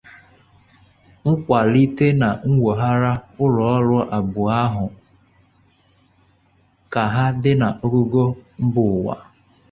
kwàlite ma nwogharịa ụlọọrụ abụọ ahụ ka ha dị n'ogoogo mba ụwa.